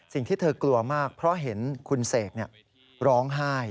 สิ่งที่เธอกลัวมากเพราะเห็นคุณเสกร้องไห้